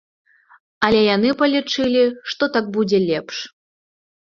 Але яны палічылі, што так будзе лепш.